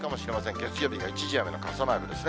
月曜日が一時雨の傘マークですね。